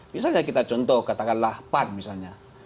misalnya kita contoh katakanlah pan misalnya